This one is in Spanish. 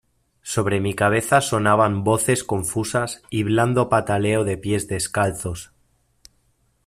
sobre mi cabeza sonaban voces confusas y blando pataleo de pies descalzos